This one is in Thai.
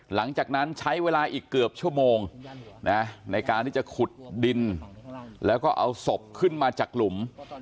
หลังจากนั้นใช้เวลาอีกเกือบชั่วโมงนะในการที่จะขุดดินแล้วก็เอาศพขึ้นมาจากหลุม